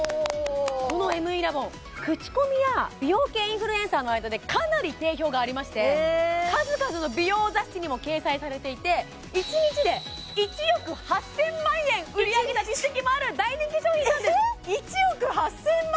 このＭＥラボン口コミや美容系インフルエンサーの間でかなり定評がありまして数々の美容雑誌にも掲載されていて１日で１億８０００万円売り上げた実績もある大人気商品なんですえっ１億８０００万？